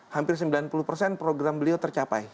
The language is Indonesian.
hampir sembilan puluh persen program beliau tercapai